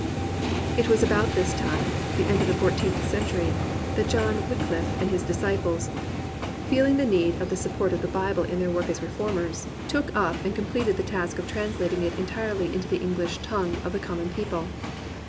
It was about this time, the end of the fourteenth century, that John WycUf and his disciples, feeling the need of the supp>ort of the Bible in their work 17 COMPANIONABLE BOOKS as reformers, took up and completed the task of translating it entirely into the English tongue of the common people.